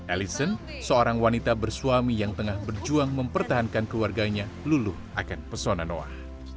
elison seorang wanita bersuami yang tengah berjuang mempertahankan keluarganya luluh akan pesona noah